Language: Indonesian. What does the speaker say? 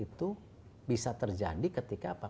itu bisa terjadi ketika apa